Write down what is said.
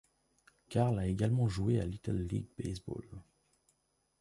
Carl a également joué à Little League Baseball.